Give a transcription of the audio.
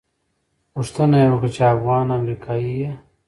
پوښتنه یې وکړه چې افغان امریکایي یې.